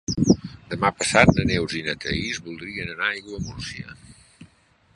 Demà passat na Neus i na Thaís voldrien anar a Aiguamúrcia.